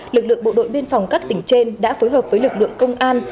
lực lượng bộ đội biên phòng các tỉnh trên đã phối hợp với lực lượng công an